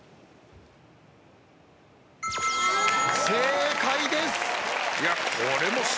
正解です。